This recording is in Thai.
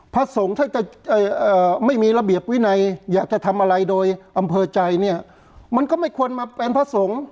พระสงฆ์ถ้าจะไม่มีระเบียบวินัยอยากจะทำอะไรโดยอำเภอใจเนี่ยมันก็ไม่ควรมาเป็นพระสงฆ์